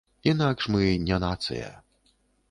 Інакш мы не нацыя.